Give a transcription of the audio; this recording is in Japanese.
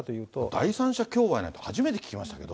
第三者供賄なんて初めて聞きましたけど。